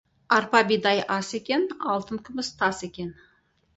Арпа-бидай ас екен, алтын-күміс тас екен.